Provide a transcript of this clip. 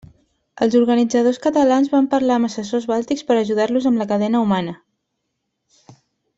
Els organitzadors catalans van parlar amb assessors bàltics per ajudar-los amb la cadena humana.